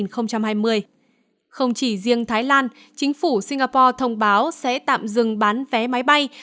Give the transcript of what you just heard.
không chỉ riêng thái lan chính phủ singapore thông báo sẽ tạm dừng bán vé máy bay